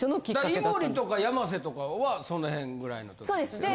井森とか山瀬とかはそのへんぐらいの時ですよね？